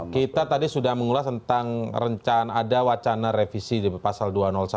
kita tadi sudah mengulas tentang rencana ada wacana revisi di pasal dua ratus satu